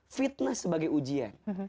fitnah sebagai ujian